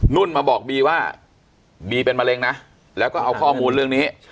นุ่นมาบอกบีว่าบีเป็นมะเร็งนะแล้วก็เอาข้อมูลเรื่องนี้